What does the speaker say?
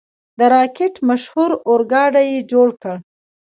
د راکټ مشهور اورګاډی یې جوړ کړ.